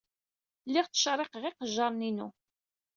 Lliɣ ttčerriqeɣ iqejjaṛen-inu.